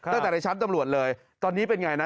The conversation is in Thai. ตั้งแต่ในชั้นตำรวจเลยตอนนี้เป็นไงนะ